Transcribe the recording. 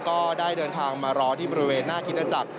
ก็ได้เดินทางมารอที่บริเวณหน้าคิตจักร